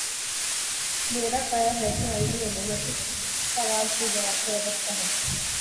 میرا خیال ہے کہ عالمی ا من اب اس سوال کے جواب سے وابستہ ہے۔